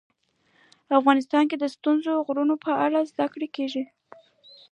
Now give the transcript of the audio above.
افغانستان کې د ستوني غرونه په اړه زده کړه کېږي.